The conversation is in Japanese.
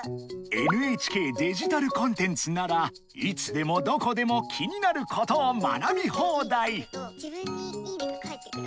ＮＨＫデジタルコンテンツならいつでもどこでも気になることを学び放題。